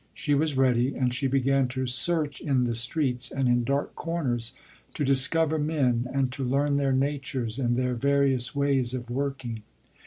She was ready, and she began to search in the streets and in dark corners to discover men and to learn their natures and their various ways of working.